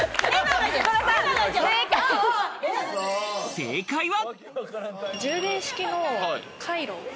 正解は。